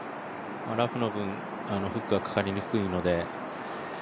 ラフの分、フックがかかりにくいので。